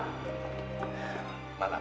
selamat malam pak